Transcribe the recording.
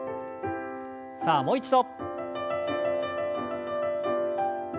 さあもう一度。